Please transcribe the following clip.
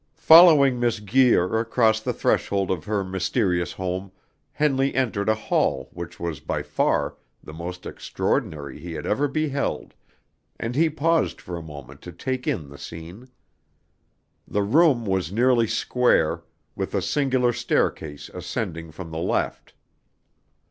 Following Miss Guir across the threshold of her mysterious home, Henley entered a hall which was by far the most extraordinary he had ever beheld, and he paused for a moment to take in the scene. The room was nearly square, with a singular staircase ascending from the left.